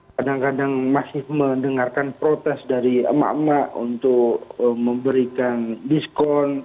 kadang kadang masih mendengarkan protes dari emak emak untuk memberikan diskon